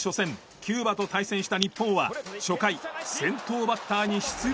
キューバと対戦した日本は初回先頭バッターに出塁を許す。